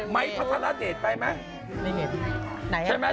ไม้พัฒนาเดชไปมั้ย